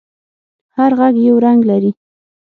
هر غږ یو رنگ لري.